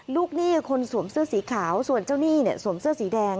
ลูกนี่คือคนสวมเสื้อสีขาวส่วนเจ้านี่สวมเสื้อสีแดง